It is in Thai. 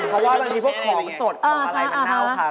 เพราะว่าบางทีพวกของสดของอะไรมันเน่าค่ะ